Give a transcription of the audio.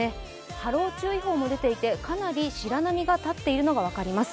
波浪注意報も出ていてかなり白波が立っているのが分かります。